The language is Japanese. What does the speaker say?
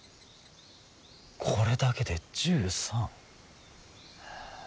これだけで１３。